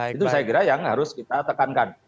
itu saya kira yang harus kita tekankan